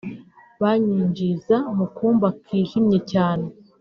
banyinjiza mu kumba kijimye cyane